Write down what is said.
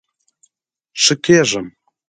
ښه کیږم